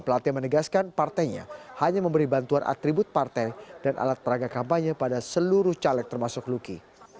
plate menegaskan partainya hanya memberi bantuan atribut partai dan alat peraga kampanye pada seluruh caleg termasuk luki